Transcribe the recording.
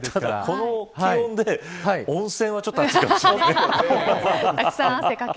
この気温で温泉はちょっと暑いかもしれない。